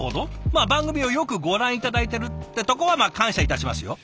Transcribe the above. まあ番組をよくご覧頂いてるってとこはまあ感謝いたしますよ。